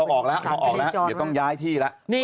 เอาออกแล้วอย่าต้องย้ายที่ละ